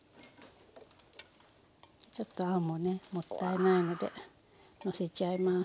ちょっとあんもねもったいないのでのせちゃいます。